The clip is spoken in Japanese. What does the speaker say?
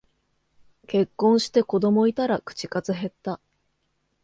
結婚して子供いたら口数へった